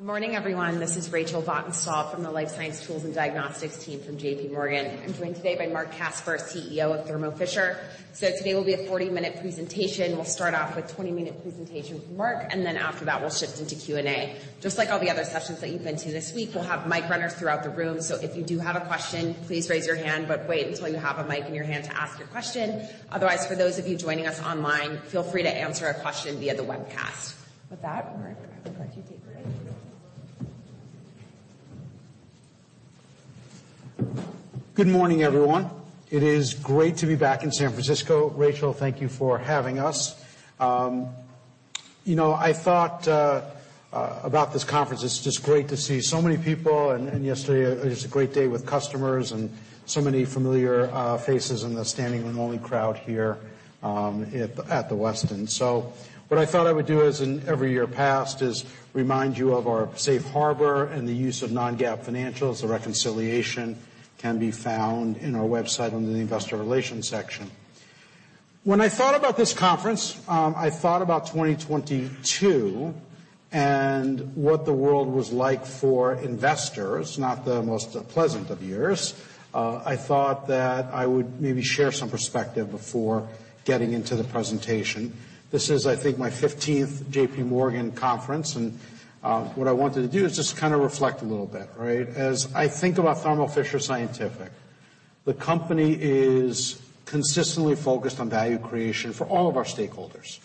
Good morning, everyone. This is Rachel Vatnsdal from the Life Science Tools and Diagnostics team from JPMorgan. I'm joined today by Marc Casper, CEO of Thermo Fisher. Today will be a 40-minute presentation. We'll start off with 20-minute presentation with Marc, after that, we'll shift into Q&A. Just like all the other sessions that you've been to this week, we'll have mic runners throughout the room. If you do have a question, please raise your hand, but wait until you have a mic in your hand to ask your question. Otherwise, for those of you joining us online, feel free to answer a question via the webcast. With that, Marc, I'll let you take it away. Good morning, everyone. It is great to be back in San Francisco. Rachel, thank you for having us. you know, I thought about this conference. It's just great to see so many people, and yesterday it was a great day with customers and so many familiar faces in the standing room only crowd here at the Westin. What I thought I would do is in every year past is remind you of our safe harbor and the use of non-GAAP financials. The reconciliation can be found in our website under the Investor Relations section. When I thought about this conference, I thought about 2022 and what the world was like for investors, not the most pleasant of years. I thought that I would maybe share some perspective before getting into the presentation. This is, I think, my 15th JPMorgan conference. What I wanted to do is just kinda reflect a little bit, right? As I think about Thermo Fisher Scientific, the company is consistently focused on value creation for all of our stakeholders,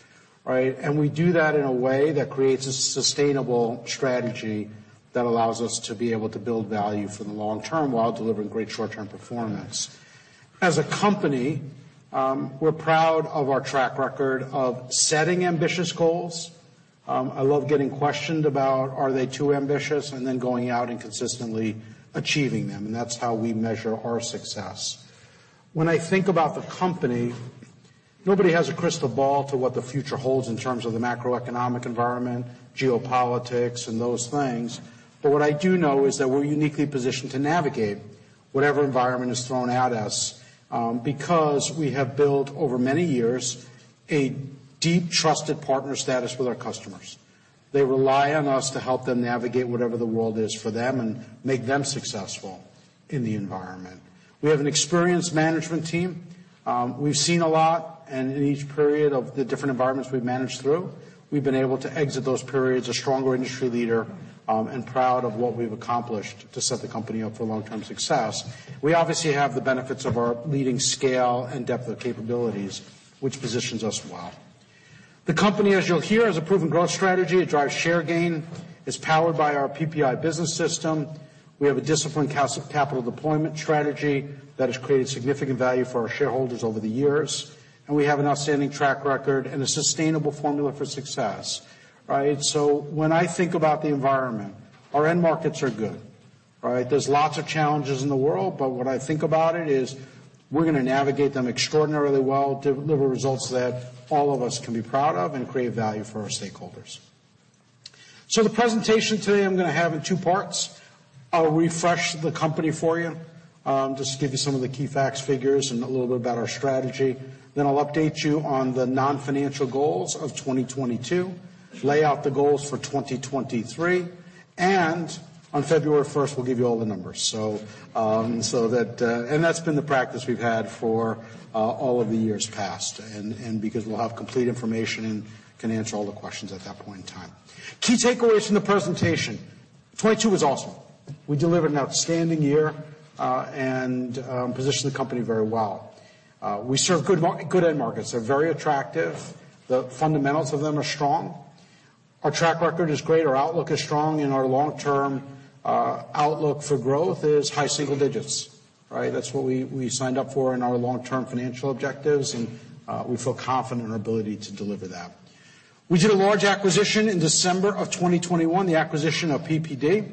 right? We do that in a way that creates a sustainable strategy that allows us to be able to build value for the long term while delivering great short-term performance. As a company, we're proud of our track record of setting ambitious goals. I love getting questioned about are they too ambitious and then going out and consistently achieving them, and that's how we measure our success. When I think about the company, nobody has a crystal ball to what the future holds in terms of the macroeconomic environment, geopolitics and those things. What I do know is that we're uniquely positioned to navigate whatever environment is thrown at us, because we have built over many years a deep, trusted partner status with our customers. They rely on us to help them navigate whatever the world is for them and make them successful in the environment. We have an experienced management team. We've seen a lot, and in each period of the different environments we've managed through, we've been able to exit those periods a stronger industry leader, and proud of what we've accomplished to set the company up for long-term success. We obviously have the benefits of our leading scale and depth of capabilities, which positions us well. The company, as you'll hear, has a proven growth strategy. It drives share gain. It's powered by our PPI Business System. We have a disciplined capital deployment strategy that has created significant value for our shareholders over the years. We have an outstanding track record and a sustainable formula for success, right? When I think about the environment, our end markets are good, right? There's lots of challenges in the world, but when I think about it is we're gonna navigate them extraordinarily well, deliver results that all of us can be proud of and create value for our stakeholders. The presentation today, I'm gonna have in two parts. I'll refresh the company for you, just to give you some of the key facts, figures, and a little bit about our strategy. I'll update you on the non-financial goals of 2022, lay out the goals for 2023, and on February 1st, we'll give you all the numbers. That's been the practice we've had for all of the years past because we'll have complete information and can answer all the questions at that point in time. Key takeaways from the presentation. 22 was awesome. We delivered an outstanding year, positioned the company very well. We serve good end markets. They're very attractive. The fundamentals of them are strong. Our track record is great, our outlook is strong, and our long-term outlook for growth is high single digits, right? That's what we signed up for in our long-term financial objectives, we feel confident in our ability to deliver that. We did a large acquisition in December of 2021, the acquisition of PPD.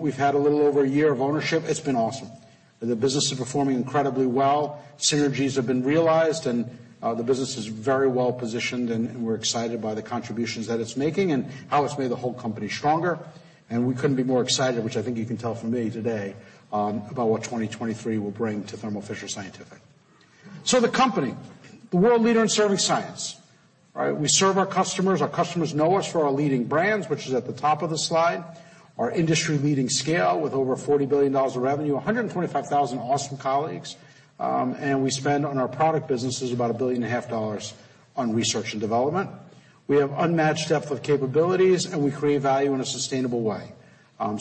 We've had a little over a year of ownership. It's been awesome. The business is performing incredibly well. Synergies have been been realized, and the business is very well positioned, and we're excited by the contributions that it's making and how it's made the whole company stronger. We couldn't be more excited, which I think you can tell from me today, about what 2023 will bring to Thermo Fisher Scientific. The company, the world leader in serving science, right. We serve our customers. Our customers know us for our leading brands, which is at the top of the slide. Our industry-leading scale with over $40 billion of revenue, 125,000 awesome colleagues, and we spend on our product businesses about $1.5 billion on research and development. We have unmatched depth of capabilities, and we create value in a sustainable way.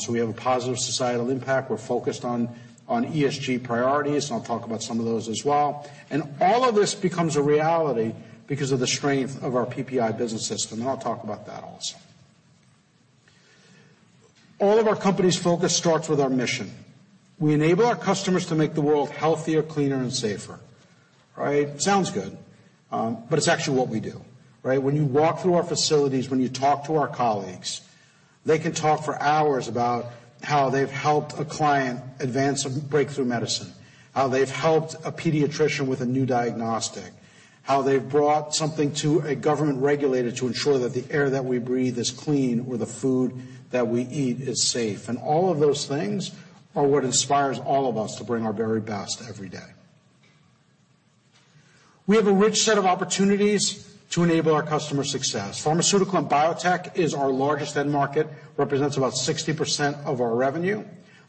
We have a positive societal impact. We're focused on ESG priorities. I'll talk about some of those as well. All of this becomes a reality because of the strength of our PPI Business System. I'll talk about that also. All of our company's focus starts with our mission. We enable our customers to make the world healthier, cleaner, and safer, right? Sounds good. It's actually what we do, right? When you walk through our facilities, when you talk to our colleagues, they can talk for hours about how they've helped a client advance a breakthrough medicine, how they've helped a pediatrician with a new diagnostic, how they've brought something to a government regulator to ensure that the air that we breathe is clean or the food that we eat is safe. All of those things are what inspires all of us to bring our very best every day. We have a rich set of opportunities to enable our customer success. Pharmaceutical and biotech is our largest end market, represents about 60% of our revenue.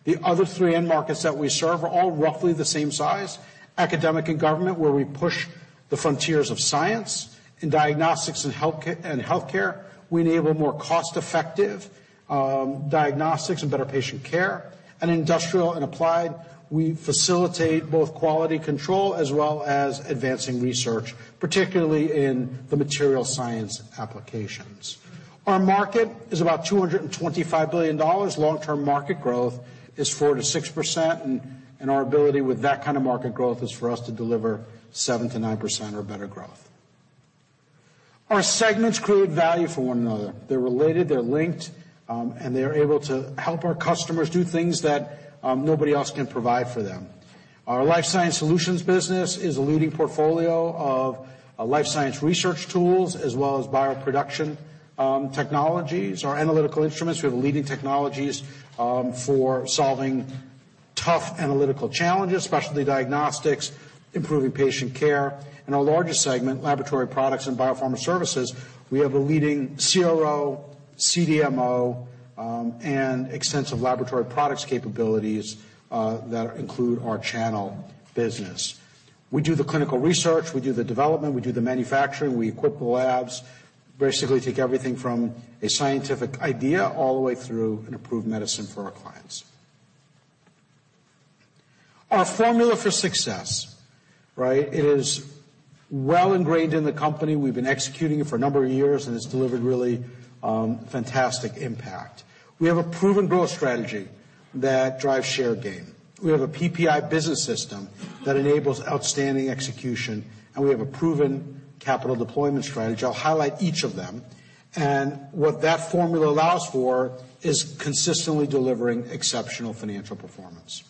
The other three end markets that we serve are all roughly the same size. Academic and government, where we push the frontiers of science. In diagnostics and healthcare, we enable more cost-effective diagnostics and better patient care. Industrial and applied, we facilitate both quality control as well as advancing research, particularly in the materials science applications. Our market is about $225 billion. Long-term market growth is 4%-6%, and our ability with that kind of market growth is for us to deliver 7%-9% or better growth. Our segments create value for one another. They're related, they're linked, they're able to help our customers do things that nobody else can provide for them. Our Life Sciences Solutions business is a leading portfolio of life science research tools as well as BioProduction technologies. Our Analytical Instruments, we have leading technologies for solving tough analytical challenges. Specialty Diagnostics, improving patient care. In our largest segment, Laboratory Products and Biopharma Services, we have a leading CRO, CDMO, and extensive laboratory products capabilities that include our channel business. We do the clinical research, we do the development, we do the manufacturing, we equip the labs, basically take everything from a scientific idea all the way through an approved medicine for our clients. Our formula for success, right? It is well ingrained in the company. We've been executing it for a number of years, it's delivered really fantastic impact. We have a proven growth strategy that drives share gain. We have a PPI Business System that enables outstanding execution, and we have a proven capital deployment strategy. I'll highlight each of them. What that formula allows for is consistently delivering exceptional financial performance.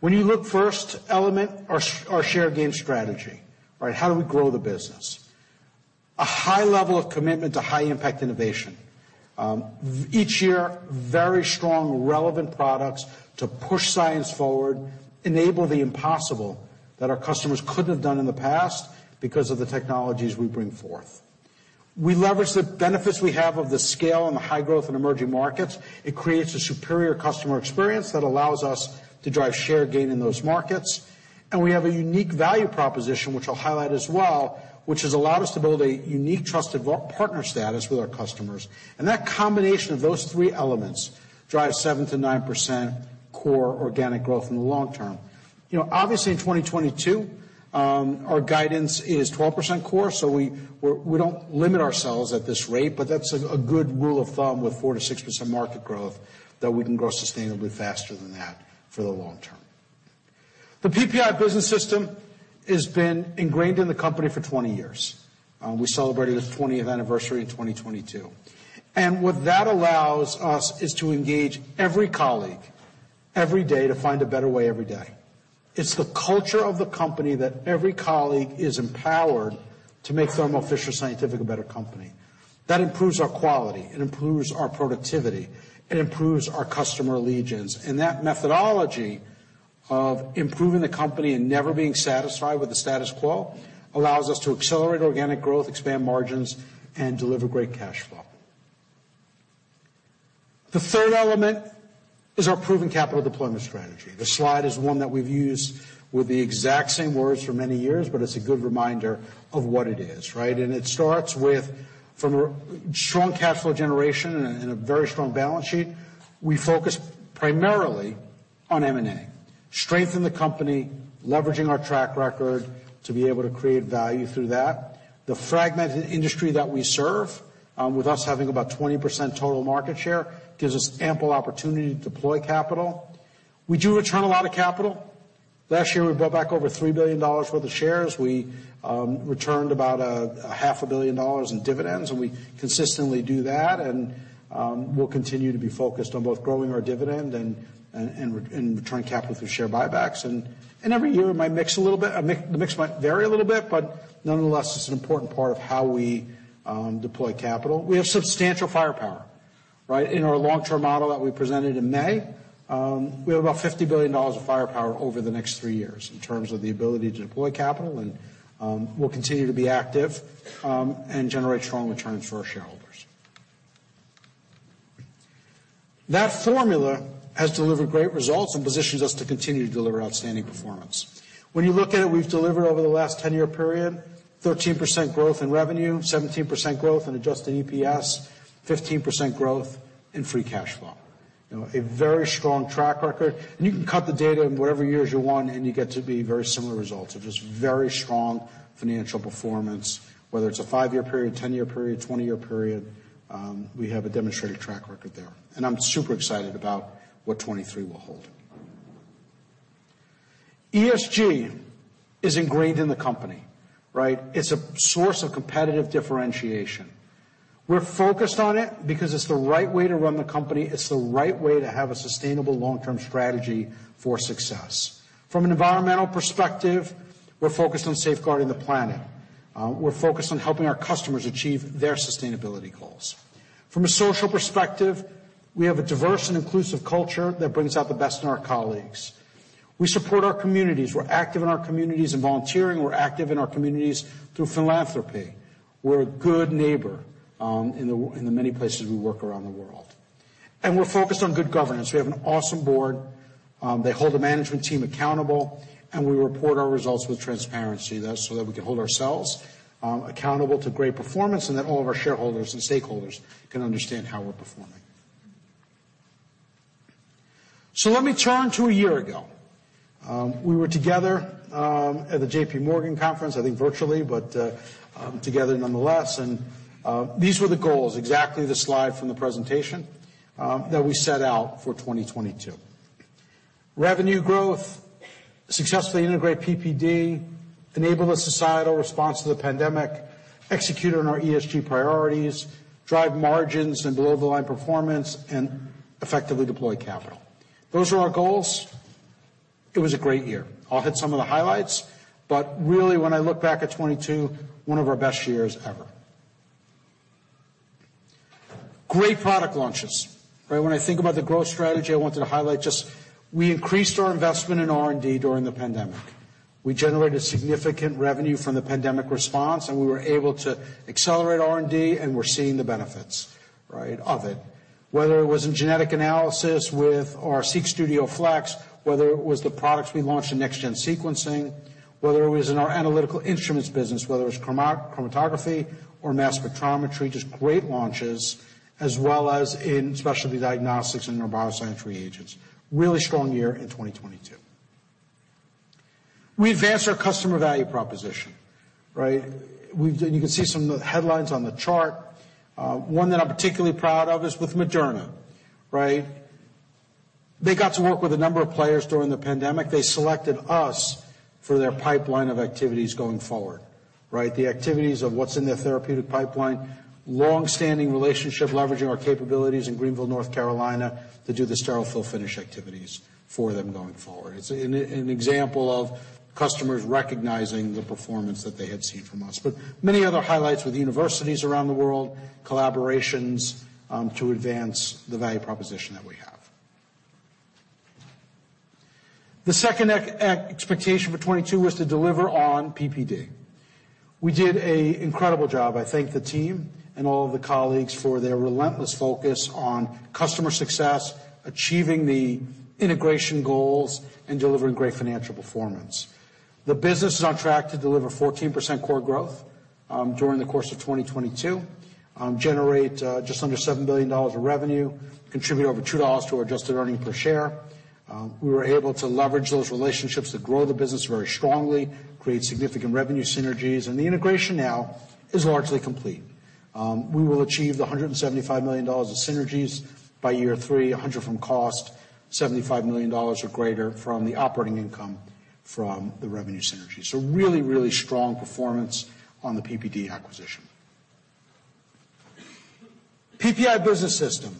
When you look first element, our share gain strategy. Right? How do we grow the business? A high level of commitment to high impact innovation. Each year, very strong relevant products to push science forward, enable the impossible that our customers couldn't have done in the past because of the technologies we bring forth. We leverage the benefits we have of the scale and the high growth in emerging markets. It creates a superior customer experience that allows us to drive share gain in those markets. We have a unique value proposition, which I'll highlight as well, which has allowed us to build a unique trusted part-partner status with our customers. That combination of those three elements drives 7%-9% core organic growth in the long term. You know, obviously in 2022, our guidance is 12% core, so we don't limit ourselves at this rate, but that's a good rule of thumb with 4%-6% market growth that we can grow sustainably faster than that for the long term. The PPI Business System has been ingrained in the company for 20 years. We celebrated its 20th anniversary in 2022. What that allows us is to engage every colleague, every day to find a better way every day. It's the culture of the company that every colleague is empowered to make Thermo Fisher Scientific a better company. That improves our quality, it improves our productivity, it improves our customer allegiance. That methodology of improving the company and never being satisfied with the status quo allows us to accelerate organic growth, expand margins, and deliver great cash flow. The third element is our proven capital deployment strategy. The slide is one that we've used with the exact same words for many years, but it's a good reminder of what it is, right? It starts with from a strong cash flow generation and a very strong balance sheet. We focus primarily on M&A. Strengthen the company, leveraging our track record to be able to create value through that. The fragmented industry that we serve, with us having about 20% total market share, gives us ample opportunity to deploy capital. We do return a lot of capital. Last year, we bought back over $3 billion worth of shares. We returned about half a billion dollars in dividends, and we consistently do that. We'll continue to be focused on both growing our dividend and returning capital through share buybacks. Every year it might mix a little bit. The mix might vary a little bit, but nonetheless, it's an important part of how we deploy capital. We have substantial firepower, right? In our long-term model that we presented in May, we have about $50 billion of firepower over the next three years in terms of the ability to deploy capital and, we'll continue to be active, and generate strong returns for our shareholders. That formula has delivered great results and positions us to continue to deliver outstanding performance. When you look at it, we've delivered over the last 10-year period, 13% growth in revenue, 17% growth in adjusted EPS, 15% growth in free cash flow. You know, a very strong track record. You can cut the data in whatever years you want, and you get to be very similar results of just very strong financial performance, whether it's a five-year period, 10-year period, 20-year period, we have a demonstrated track record there. I'm super excited about what 2023 will hold. ESG is ingrained in the company, right? It's a source of competitive differentiation. We're focused on it because it's the right way to run the company. It's the right way to have a sustainable long-term strategy for success. From an environmental perspective, we're focused on safeguarding the planet. We're focused on helping our customers achieve their sustainability goals. From a social perspective, we have a diverse and inclusive culture that brings out the best in our colleagues. We support our communities. We're active in our communities and volunteering. We're active in our communities through philanthropy. We're a good neighbor, in the many places we work around the world. We're focused on good governance. We have an awesome board. They hold the management team accountable, and we report our results with transparency, that's so that we can hold ourselves accountable to great performance and that all of our shareholders and stakeholders can understand how we're performing. Let me turn to a year ago. We were together at the JPMorgan conference, I think virtually, but together nonetheless. These were the goals, exactly the slide from the presentation that we set out for 2022. Revenue growth, successfully integrate PPD, enable a societal response to the pandemic, execute on our ESG priorities, drive margins and below-the-line performance, and effectively deploy capital. Those are our goals. It was a great year. I'll hit some of the highlights, but really, when I look back at 22, one of our best years ever. Great product launches. Right when I think about the growth strategy, I wanted to highlight just we increased our investment in R&D during the pandemic. We generated significant revenue from the pandemic response, and we were able to accelerate R&D, and we're seeing the benefits, right, of it. Whether it was in genetic analysis with our SeqStudio Flex, whether it was the products we launched in next-gen sequencing, whether it was in our Analytical Instruments business, whether it was chromatography or mass spectrometry, just great launches, as well as in Specialty Diagnostics and neurobioscience reagents. Really strong year in 2022. We advanced our customer value proposition, right? You can see some of the headlines on the chart. One that I'm particularly proud of is with Moderna, right? They got to work with a number of players during the pandemic. They selected us for their pipeline of activities going forward, right? The activities of what's in their therapeutic pipeline, long-standing relationship, leveraging our capabilities in Greenville, North Carolina, to do the sterile fill finish activities for them going forward. It's an example of customers recognizing the performance that they had seen from us. Many other highlights with universities around the world, collaborations to advance the value proposition that we have. The second expectation for 2022 was to deliver on PPD. We did a incredible job. I thank the team and all of the colleagues for their relentless focus on customer success, achieving the integration goals, and delivering great financial performance. The business is on track to deliver 14% core growth during the course of 2022, generate just under $7 billion of revenue, contribute over $2 to our adjusted earnings per share. We were able to leverage those relationships to grow the business very strongly, create significant revenue synergies, and the integration now is largely complete. We will achieve the $175 million of synergies by year three, $100 million from cost, $75 million or greater from the operating income from the revenue synergies. Really, really strong performance on the PPD acquisition. PPI Business System.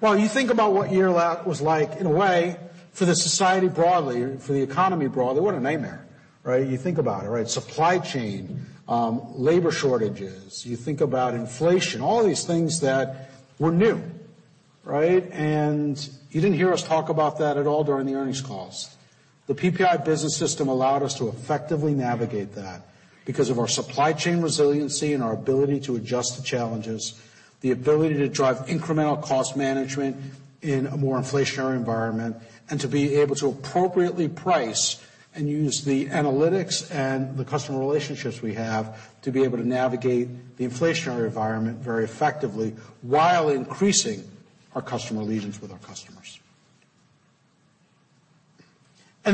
Well, you think about what year that was like in a way for the society broadly, for the economy broadly, what a nightmare, right? You think about it, right? Supply chain, labor shortages. You think about inflation, all these things that were new, right? You didn't hear us talk about that at all during the earnings calls. The PPI Business System allowed us to effectively navigate that because of our supply chain resiliency and our ability to adjust to challenges, the ability to drive incremental cost management in a more inflationary environment, and to be able to appropriately price and use the analytics and the customer relationships we have to be able to navigate the inflationary environment very effectively while increasing our customer allegiance with our customers.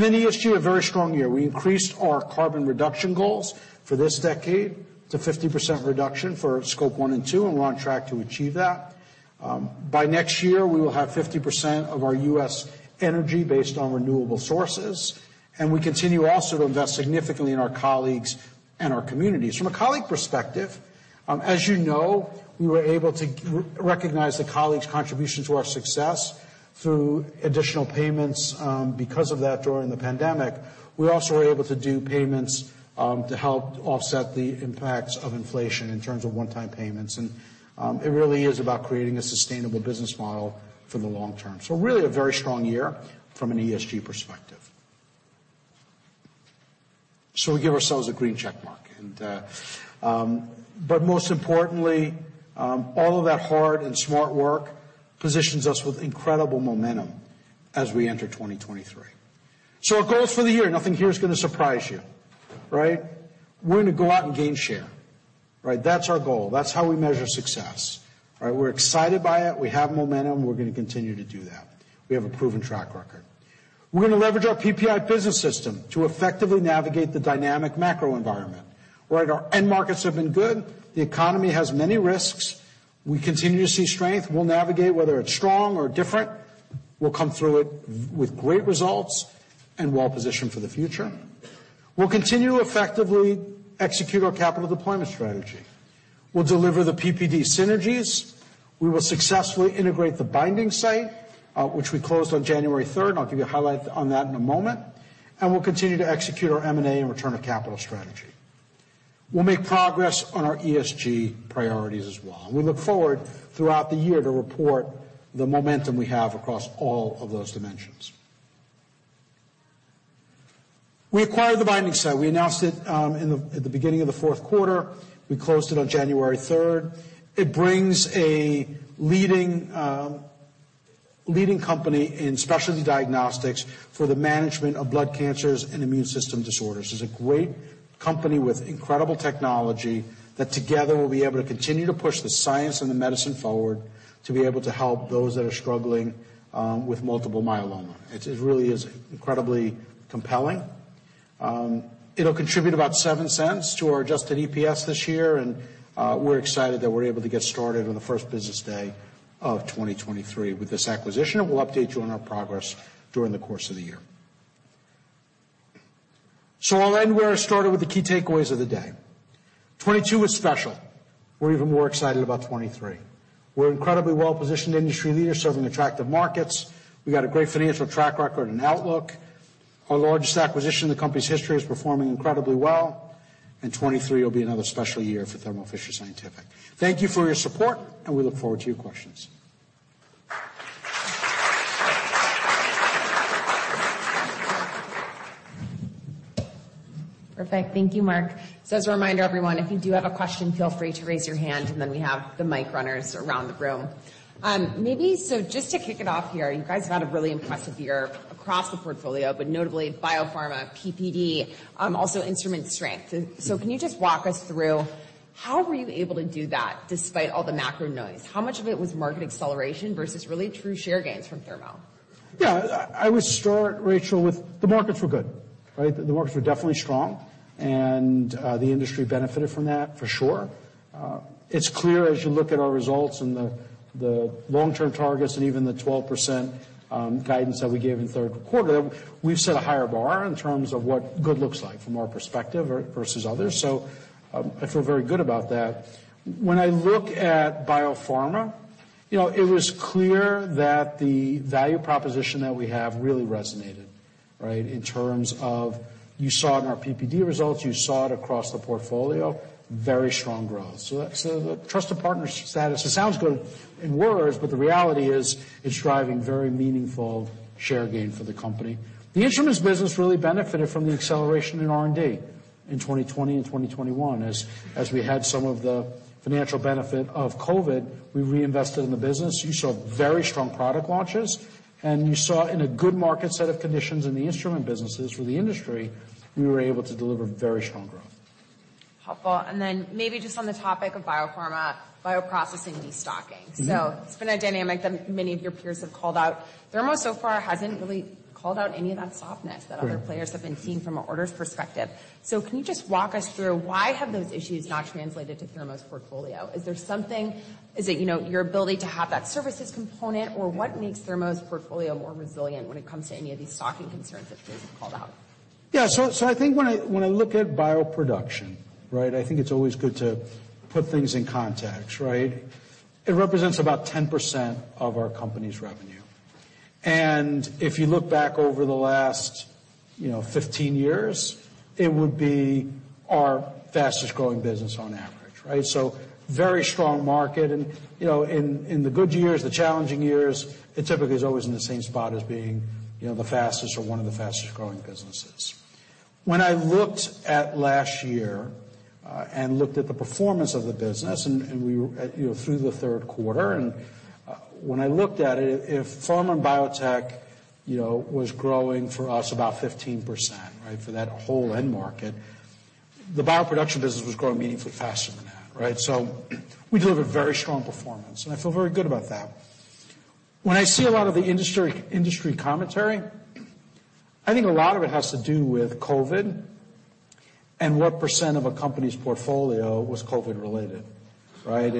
ESG, a very strong year. We increased our carbon reduction goals for this decade to 50% reduction for Scope 1 and 2, and we're on track to achieve that. By next year, we will have 50% of our U.S. energy based on renewable sources, and we continue also to invest significantly in our colleagues and our communities. From a colleague perspective, as you know, we were able to recognize the colleagues' contribution to our success through additional payments, because of that during the pandemic. We also were able to do payments to help offset the impacts of inflation in terms of one-time payments. It really is about creating a sustainable business model for the long term. Really a very strong year from an ESG perspective. We give ourselves a green check mark. Most importantly, all of that hard and smart work positions us with incredible momentum as we enter 2023. Our goals for the year, nothing here is gonna surprise you, right? We're gonna go out and gain share, right? That's our goal. That's how we measure success. Right? We're excited by it. We have momentum. We're gonna continue to do that. We have a proven track record. We're gonna leverage our PPI Business System to effectively navigate the dynamic macro environment, right? Our end markets have been good. The economy has many risks. We continue to see strength. We'll navigate whether it's strong or different. We'll come through it with great results and well-positioned for the future. We'll continue to effectively execute our capital deployment strategy. We'll deliver the PPD synergies. We will successfully integrate The Binding Site, which we closed on January 3rd. I'll give you a highlight on that in a moment. We'll continue to execute our M&A and return of capital strategy. We'll make progress on our ESG priorities as well. We look forward throughout the year to report the momentum we have across all of those dimensions. We acquired The Binding Site. We announced it at the beginning of the Q4. We closed it on January 3rd. It brings a leading company in Specialty Diagnostics for the management of blood cancers and immune system disorders. It's a great company with incredible technology that together will be able to continue to push the science and the medicine forward to be able to help those that are struggling with multiple myeloma. It really is incredibly compelling. It'll contribute about $0.07 to our adjusted EPS this year, and we're excited that we're able to get started on the first business day of 2023 with this acquisition, and we'll update you on our progress during the course of the year. I'll end where I started with the key takeaways of the day. 2022 was special. We're even more excited about 2023. We're incredibly well-positioned industry leaders serving attractive markets. We've got a great financial track record and outlook. Our largest acquisition in the company's history is performing incredibly well. 2023 will be another special year for Thermo Fisher Scientific. Thank you for your support. We look forward to your questions. Perfect. Thank you, Marc. As a reminder, everyone, if you do have a question, feel free to raise your hand, we have the mic runners around the room. Maybe just to kick it off here, you guys have had a really impressive year across the portfolio, but notably biopharma, PPD, also instrument strength. Can you just walk us through how were you able to do that despite all the macro noise? How much of it was market acceleration versus really true share gains from Thermo? Yeah. I would start, Rachel, with the markets were good. Right? The markets were definitely strong, the industry benefited from that for sure. It's clear as you look at our results and the long-term targets and even the 12% guidance that we gave in Q3, we've set a higher bar in terms of what good looks like from our perspective versus others. I feel very good about that. When I look at biopharma, you know, it was clear that the value proposition that we have really resonated, right? In terms of you saw it in our PPD results, you saw it across the portfolio, very strong growth. The trusted partner status, it sounds good in words, but the reality is it's driving very meaningful share gain for the company. The instruments business really benefited from the acceleration in R&D in 2020 and 2021. As we had some of the financial benefit of COVID, we reinvested in the business. You saw very strong product launches, and you saw in a good market set of conditions in the instrument businesses for the industry, we were able to deliver very strong growth. Helpful. Then maybe just on the topic of biopharma, bioprocessing, destocking. Mm-hmm. It's been a dynamic that many of your peers have called out. Thermo so far hasn't really called out any of that softness. Right. that other players have been seeing from an orders perspective. Can you just walk us through why have those issues not translated to Thermo's portfolio? Is it, you know, your ability to have that services component, or what makes Thermo's portfolio more resilient when it comes to any of these stocking concerns that peers have called out? I think when I look at BioProduction, right? I think it's always good to put things in context, right? It represents about 10% of our company's revenue. If you look back over the last, you know, 15 years, it would be our fastest-growing business on average, right? Very strong market. You know, in the good years, the challenging years, it typically is always in the same spot as being, you know, the fastest or one of the fastest-growing businesses. When I looked at last year, looked at the performance of the business, we were, you know, through the Q3. When I looked at it, if pharma and biotech, you know, was growing for us about 15%, right? For that whole end market, the BioProduction business was growing meaningfully faster than that, right? We delivered very strong performance, and I feel very good about that. When I see a lot of the industry commentary, I think a lot of it has to do with COVID and what percent of a company's portfolio was COVID-related, right?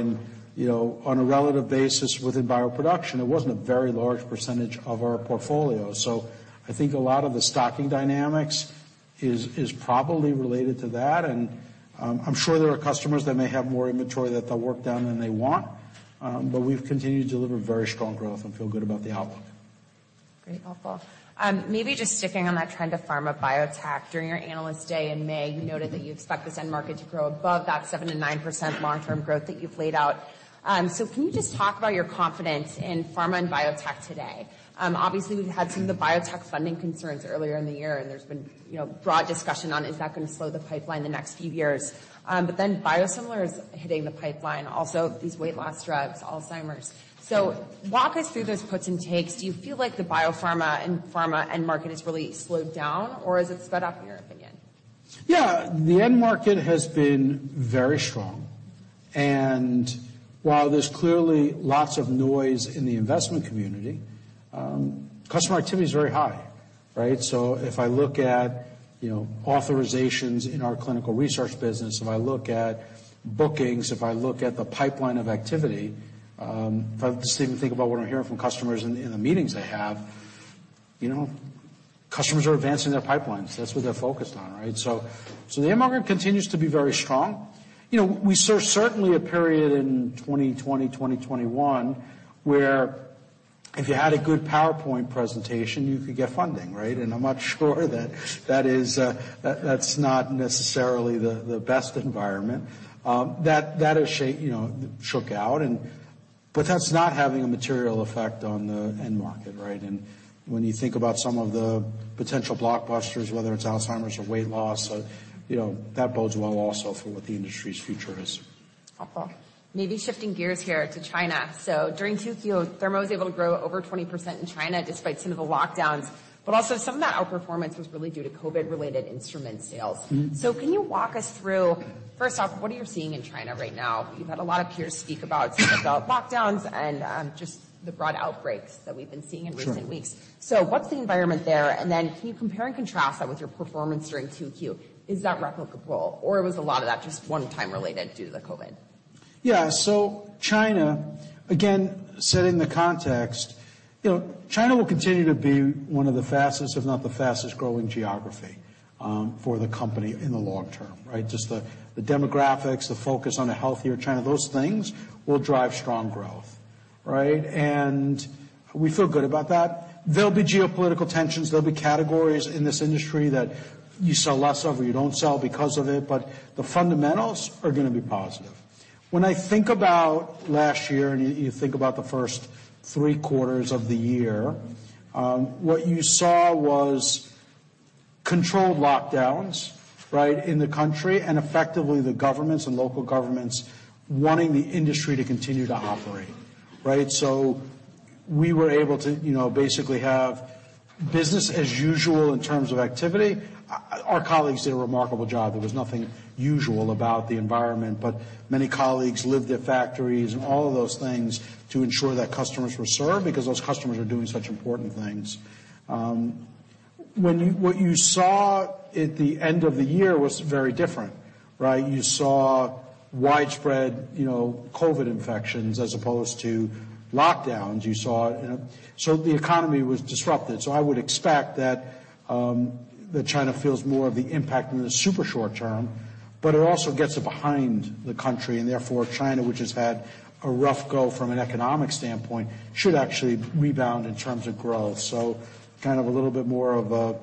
You know, on a relative basis within BioProduction, it wasn't a very large % of our portfolio. I think a lot of the stocking dynamics is probably related to that. I'm sure there are customers that may have more inventory that they'll work down than they want, but we've continued to deliver very strong growth and feel good about the outlook. Great, helpful. Maybe just sticking on that trend of pharma biotech. During your Analyst Day in May, you noted that you expect this end market to grow above that 7%-9% long-term growth that you've laid out. Can you just talk about your confidence in pharma and biotech today? Obviously, we've had some of the biotech funding concerns earlier in the year, and there's been, you know, broad discussion on is that going to slow the pipeline the next few years? Biosimilar is hitting the pipeline, also these weight loss drugs, Alzheimer's. Walk us through those puts and takes. Do you feel like the biopharma and pharma end market has really slowed down, or is it sped up, in your opinion? Yeah. The end market has been very strong. While there's clearly lots of noise in the investment community, customer activity is very high, right? If I look at, you know, authorizations in our clinical research business, if I look at bookings, if I look at the pipeline of activity, if I just even think about what I'm hearing from customers in the meetings I have, you know, customers are advancing their pipelines. That's what they're focused on, right? The end market continues to be very strong. You know, we saw certainly a period in 2020, 2021 where If you had a good PowerPoint presentation, you could get funding, right? I'm not sure that is, that's not necessarily the best environment. That is, you know, shook out. That's not having a material effect on the end market, right? When you think about some of the potential blockbusters, whether it's Alzheimer's or weight loss or, you know, that bodes well also for what the industry's future is. helpful. Maybe shifting gears here to China. During Q2, Thermo was able to grow over 20% in China despite some of the lockdowns. Also some of that outperformance was really due to COVID-related instrument sales. Mm-hmm. Can you walk us through, first off, what are you seeing in China right now? You've had a lot of peers speak about some of the lockdowns and, just the broad outbreaks that we've been seeing in recent weeks. Sure. What's the environment there? Can you compare and contrast that with your performance during Q2? Is that replicable or was a lot of that just one-time related due to the COVID? China, again, setting the context, you know, China will continue to be one of the fastest, if not the fastest-growing geography for the company in the long term, right? Just the demographics, the focus on a healthier China, those things will drive strong growth, right? And we feel good about that. There'll be geopolitical tensions. There'll be categories in this industry that you sell less of, or you don't sell because of it, but the fundamentals are gonna be positive. When I think about last year, and you think about the first three quarters of the year, what you saw was controlled lockdowns, right, in the country, and effectively the governments and local governments wanting the industry to continue to operate, right? We were able to, you know, basically have business as usual in terms of activity. Our colleagues did a remarkable job. There was nothing usual about the environment. Many colleagues lived at factories and all of those things to ensure that customers were served because those customers are doing such important things. What you saw at the end of the year was very different, right? You saw widespread, you know, COVID infections as opposed to lockdowns. You saw. The economy was disrupted. I would expect that China feels more of the impact in the super short term, but it also gets it behind the country. Therefore, China, which has had a rough go from an economic standpoint, should actually rebound in terms of growth. Kind of a little bit more of a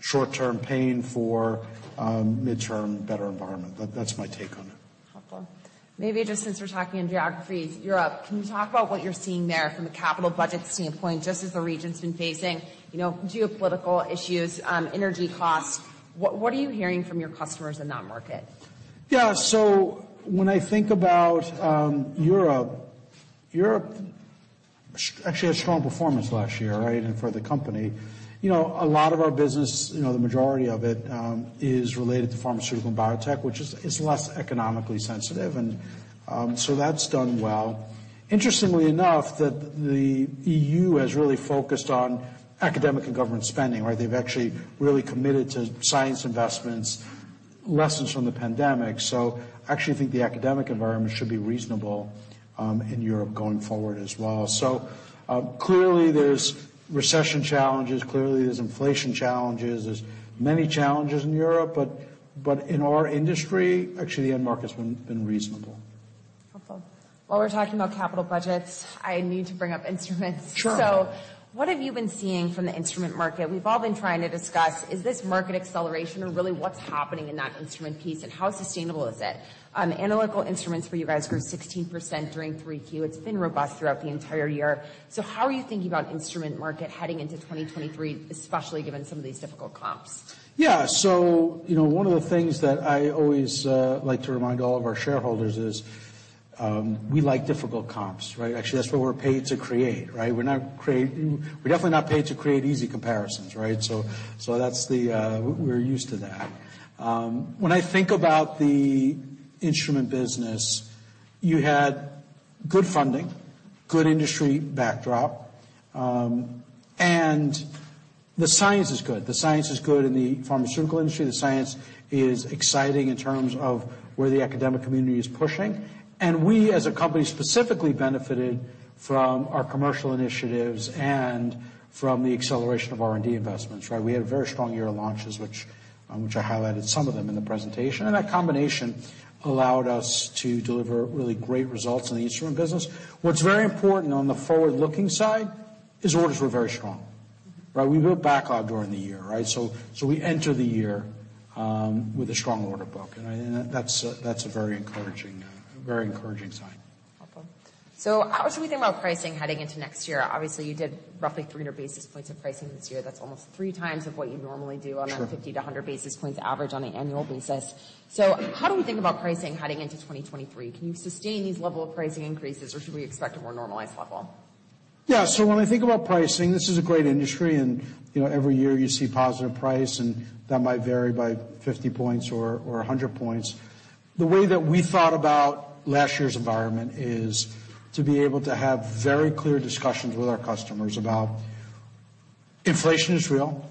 short-term pain for mid-term better environment. That's my take on it. Helpful. Maybe just since we're talking in geographies, Europe. Can you talk about what you're seeing there from a capital budget standpoint, just as the region's been facing, you know, geopolitical issues, energy costs? What are you hearing from your customers in that market? When I think about Europe actually had strong performance last year, right, and for the company. You know, a lot of our business, you know, the majority of it, is related to pharmaceutical and biotech, which is less economically sensitive. That's done well. Interestingly enough, that the EU has really focused on academic and government spending, right? They've actually really committed to science investments, lessons from the pandemic. I actually think the academic environment should be reasonable in Europe going forward as well. Clearly, there's recession challenges. Clearly, there's inflation challenges. There's many challenges in Europe, but in our industry, actually, the end market's been reasonable. Helpful. While we're talking about capital budgets, I need to bring up instruments. Sure. What have you been seeing from the instrument market? We've all been trying to discuss, is this market acceleration or really what's happening in that instrument piece and how sustainable is it? Analytical Instruments for you guys grew 16% during Q3. It's been robust throughout the entire year. How are you thinking about instrument market heading into 2023, especially given some of these difficult comps? Yeah. You know, one of the things that I always like to remind all of our shareholders is, we like difficult comps, right? Actually, that's what we're paid to create, right? We're definitely not paid to create easy comparisons, right? That's the, we're used to that. When I think about the instrument business, you had good funding, good industry backdrop, and the science is good. The science is good in the pharmaceutical industry. The science is exciting in terms of where the academic community is pushing. We, as a company, specifically benefited from our commercial initiatives and from the acceleration of R&D investments, right? We had a very strong year of launches, which I highlighted some of them in the presentation. That combination allowed us to deliver really great results in the instrument business. What's very important on the forward-looking side is orders were very strong, right? We built backlog during the year, right? We enter the year, with a strong order book. That's a very encouraging sign. Helpful. How should we think about pricing heading into next year? Obviously, you did roughly 300 basis points of pricing this year. That's almost 3 times of what you normally do. Sure. -on that 50-100 basis points average on an annual basis. How do we think about pricing heading into 2023? Can you sustain these level of pricing increases, or should we expect a more normalized level? When I think about pricing, this is a great industry, and, you know, every year you see positive price, and that might vary by 50 points or 100 points. The way that we thought about last year's environment is to be able to have very clear discussions with our customers about inflation is real.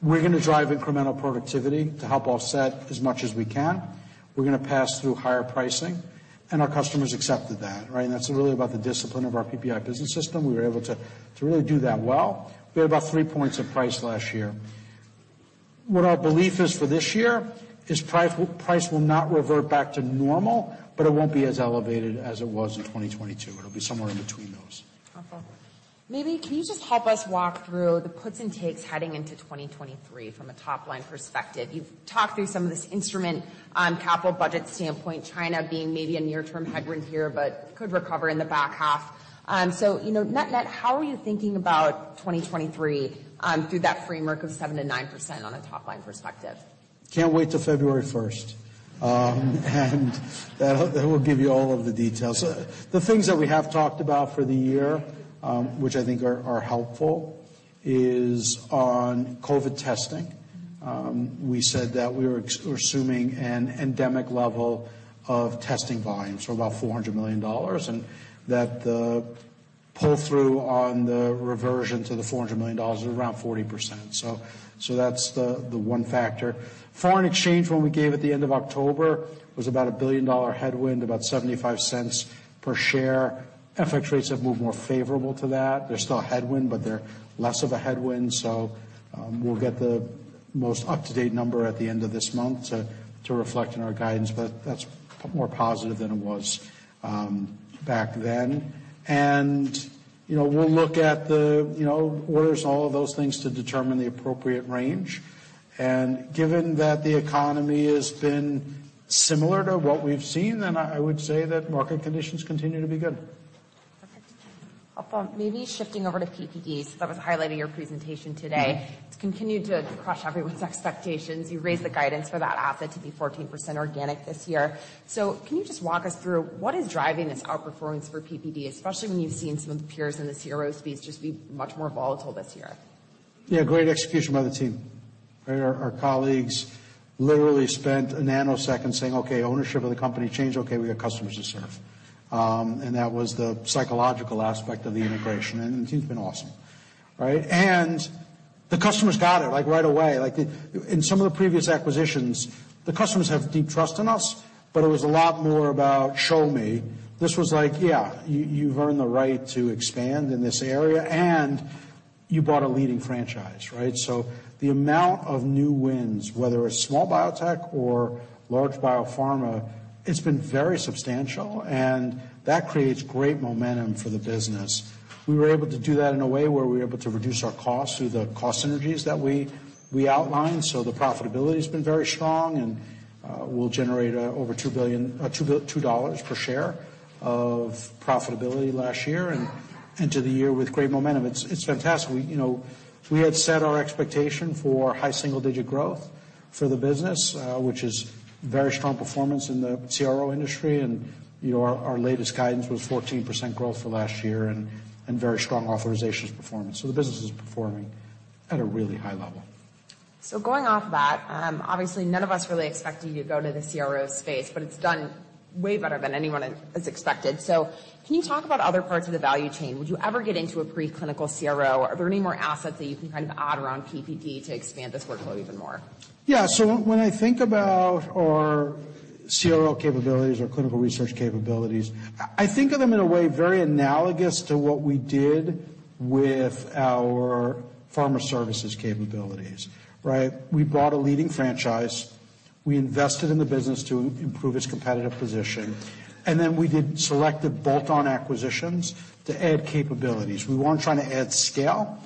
We're gonna drive incremental productivity to help offset as much as we can. We're gonna pass through higher pricing. Our customers accepted that, right? That's really about the discipline of our PPI Business System. We were able to really do that well. We had about 3 points of price last year. What our belief is for this year is price will not revert back to normal, but it won't be as elevated as it was in 2022. It'll be somewhere in between those. Maybe can you just help us walk through the puts and takes heading into 2023 from a top-line perspective. You've talked through some of this instrument, capital budget standpoint, China being maybe a near-term headwind here, but could recover in the back half. You know, net-net, how are you thinking about 2023 through that framework of 7%-9% on a top-line perspective? Can't wait till February 1st. That'll, that will give you all of the details. The things that we have talked about for the year, which I think are helpful, is on COVID testing. We said that we're assuming an endemic level of testing volumes, so about $400 million, and that the pull-through on the reversion to the $400 million is around 40%. That's the one factor. Foreign exchange, when we gave at the end of October, was about a $1 billion headwind, about $0.75 per share. FX rates have moved more favorable to that. They're still a headwind, but they're less of a headwind. We'll get the most up-to-date number at the end of this month to reflect in our guidance, but that's more positive than it was back then. You know, we'll look at the, you know, orders and all of those things to determine the appropriate range. Given that the economy has been similar to what we've seen, I would say that market conditions continue to be good. Perfect. Maybe shifting over to PPD, so that was the highlight of your presentation today. Mm-hmm. It's continued to crush everyone's expectations. You raised the guidance for that PPD to be 14% organic this year. Can you just walk us through what is driving this outperformance for PPD, especially when you've seen some of the peers in this CRO space just be much more volatile this year? Yeah, great execution by the team. Our colleagues literally spent a nanosecond saying, "Okay, ownership of the company changed. Okay, we got customers to serve." That was the psychological aspect of the integration. The team's been awesome, right? The customers got it, like, right away. Like, in some of the previous acquisitions, the customers have deep trust in us, but it was a lot more about show me. This was like, yeah, you've earned the right to expand in this area, and you bought a leading franchise, right? The amount of new wins, whether a small biotech or large biopharma, it's been very substantial, and that creates great momentum for the business. We were able to do that in a way where we were able to reduce our costs through the cost synergies that we outlined. The profitability has been very strong, and we'll generate over $2 billion, $2 per share of profitability last year and into the year with great momentum. It's fantastic. We, you know, we had set our expectation for high single-digit growth for the business, which is very strong performance in the CRO industry. You know, our latest guidance was 14% growth for last year and very strong authorizations performance. The business is performing at a really high level. Going off that, obviously, none of us really expected you to go to the CRO space, but it's done way better than anyone expected. Can you talk about other parts of the value chain? Would you ever get into a pre-clinical CRO? Are there any more assets that you can kind of add around PPD to expand this workload even more? Yeah. When I think about our CRO capabilities or clinical research capabilities, I think of them in a way very analogous to what we did with our pharma services capabilities, right? We bought a leading franchise, we invested in the business to improve its competitive position, we did selective bolt-on acquisitions to add capabilities. We weren't trying to add scale.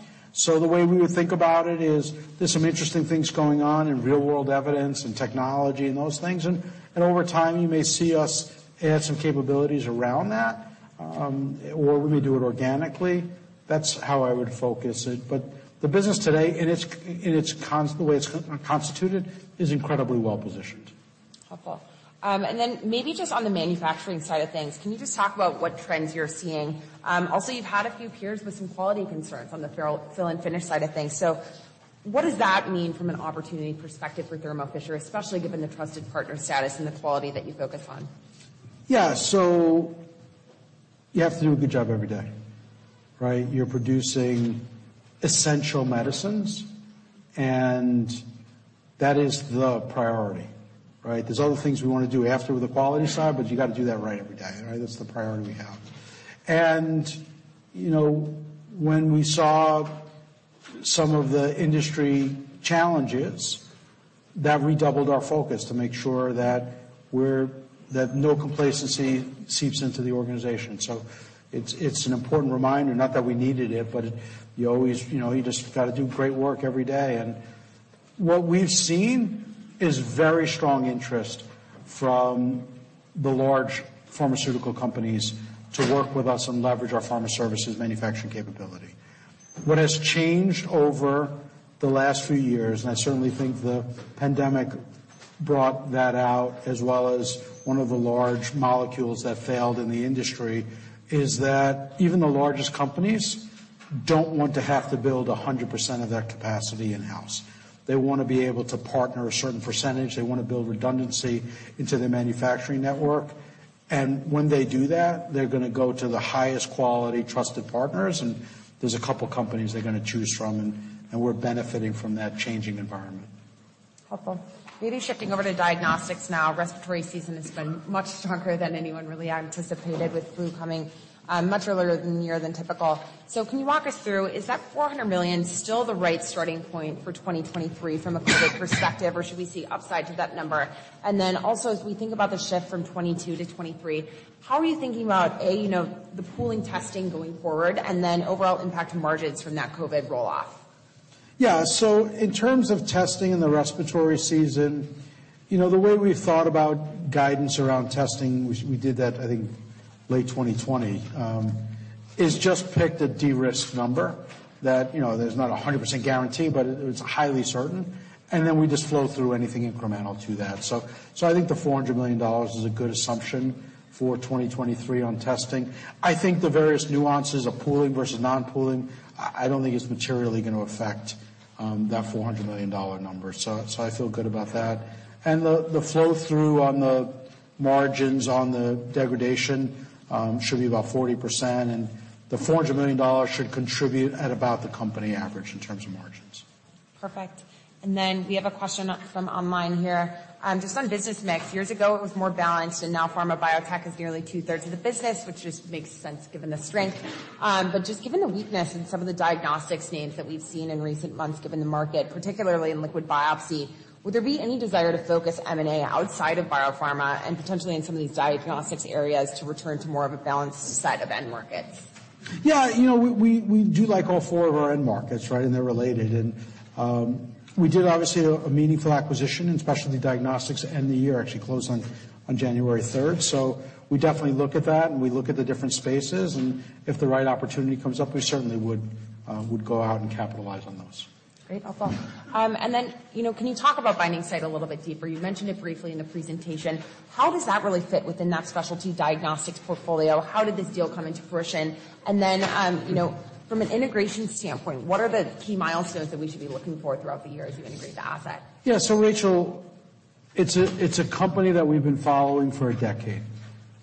The way we would think about it is there's some interesting things going on in real-world evidence and technology and those things. Over time, you may see us add some capabilities around that, or we may do it organically. That's how I would focus it. The business today in the way it's constituted is incredibly well-positioned. Helpful. Then maybe just on the manufacturing side of things, can you just talk about what trends you're seeing? Also, you've had a few peers with some quality concerns on the fill and finish side of things. What does that mean from an opportunity perspective for Thermo Fisher, especially given the trusted partner status and the quality that you focus on? Yeah. You have to do a good job every day, right? You're producing essential medicines, and that is the priority, right? There's other things we wanna do after the quality side, but you got to do that right every day, all right? That's the priority we have. You know, when we saw some of the industry challenges, that redoubled our focus to make sure that we're that no complacency seeps into the organization. It's, it's an important reminder, not that we needed it, but you always, you know, you just gotta do great work every day. What we've seen is very strong interest from the large pharmaceutical companies to work with us and leverage our pharma services manufacturing capability. What has changed over the last few years, I certainly think the pandemic brought that out, as well as one of the large molecules that failed in the industry, is that even the largest companies don't want to have to build 100% of their capacity in-house. They wanna be able to partner a certain percentage. They wanna build redundancy into their manufacturing network. When they do that, they're gonna go to the highest quality trusted partners, and there's a couple companies they're gonna choose from. We're benefiting from that changing environment. Helpful. Maybe shifting over to diagnostics now. Respiratory season has been much stronger than anyone really anticipated with flu coming, much earlier than typical. Can you walk us through, is that $400 million still the right starting point for 2023 from a COVID perspective, or should we see upside to that number? As we think about the shift from 2022 to 2023, how are you thinking about A, you know, the pooling testing going forward and then overall impact to margins from that COVID roll off? Yeah. In terms of testing in the respiratory season, you know, the way we've thought about guidance around testing, we did that I think late 2020 is just pick the de-risk number that, you know, there's not a 100% guarantee, but it's highly certain. We just flow through anything incremental to that. I think the $400 million is a good assumption for 2023 on testing. I don't think is materially gonna affect that $400 million number. I feel good about that. The flow-through on the margins on the degradation should be about 40%, and the $400 million should contribute at about the company average in terms of margins. Perfect. We have a question up from online here. Just on business mix. Years ago, it was more balanced, and now pharma biotech is nearly two-thirds of the business, which just makes sense given the strength. Just given the weakness in some of the diagnostics names that we've seen in recent months given the market, particularly in liquid biopsy, would there be any desire to focus M&A outside of biopharma and potentially in some of these diagnostics areas to return to more of a balanced set of end markets? Yeah, you know, we do like all four of our end markets, right? They're related. We did obviously a meaningful acquisition in Specialty Diagnostics end the year, actually closed on January third. We definitely look at that, and we look at the different spaces, and if the right opportunity comes up, we certainly would go out and capitalize on those. Great. Helpful. You know, can you talk about The Binding Site a little bit deeper? You mentioned it briefly in the presentation. How does that really fit within that Specialty Diagnostics portfolio? How did this deal come into fruition? You know, from an integration standpoint, what are the key milestones that we should be looking for throughout the year as you integrate the asset? Rachel, it's a company that we've been following for a decade,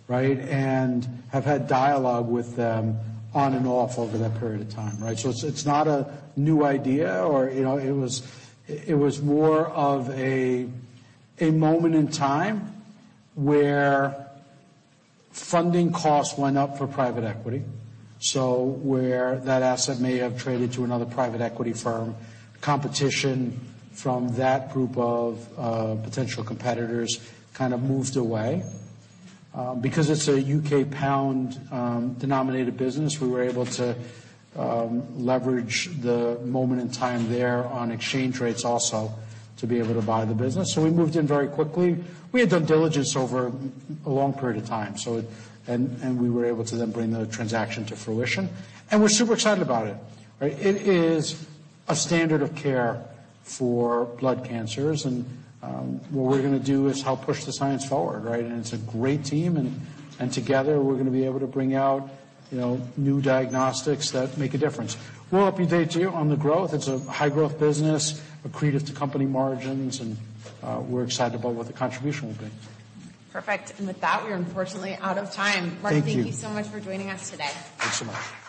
right? Have had dialogue with them on and off over that period of time, right? It's not a new idea or, you know, it was more of a moment in time where funding costs went up for private equity. Where that asset may have traded to another private equity firm, competition from that group of potential competitors kind of moved away. Because it's a UK pound denominated business, we were able to leverage the moment in time there on exchange rates also to be able to buy the business. We moved in very quickly. We had done diligence over a long period of time, and we were able to bring the transaction to fruition. We're super excited about it, right? It is a standard of care for blood cancers, and what we're gonna do is help push the science forward, right? It's a great team, and together we're gonna be able to bring out, you know, new diagnostics that make a difference. We'll update you on the growth. It's a high-growth business, accretive to company margins, and we're excited about what the contribution will be. Perfect. With that, we are unfortunately out of time. Thank you. Marc, thank you so much for joining us today. Thanks so much.